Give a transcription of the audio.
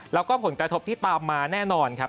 แล้วก็ผลกระทบที่ตามมาแน่นอนครับ